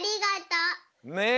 ねえ！